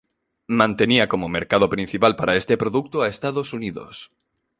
Mantenía como mercado principal para este producto a Estados Unidos.